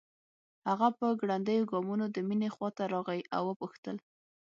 هغه په ګړنديو ګامونو د مينې خواته راغی او وپوښتل